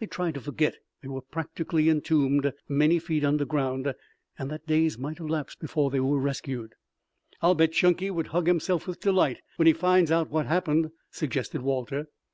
They tried to forget that they were practically entombed many feet underground, and that days might elapse before they were rescued. "I'll bet Chunky will hug himself with delight when he finds out what's happened," suggested Walter.